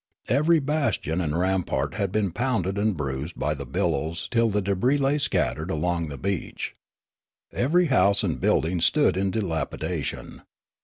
Every bastion and rampart had been pounded and bruised by the billows till the debris la}' scattered along the beach. Every house and building stood in dilapidation.